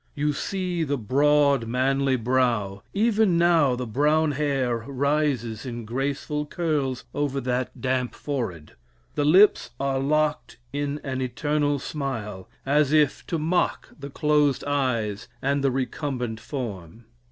You see the broad manly brow even now the brown hair rises in graceful curls over that damp forehead. The lips are locked in an eternal smile, as if to mock the closed eyes and the recumbent form.